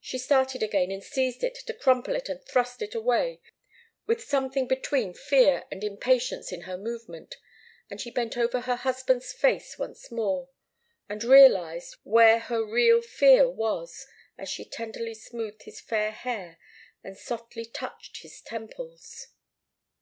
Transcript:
She started again, and seized it to crumple it and thrust it away, with something between fear and impatience in her movement, and she bent over her husband's face once more, and realized where her real fear was, as she tenderly smoothed his fair hair and softly touched his temples.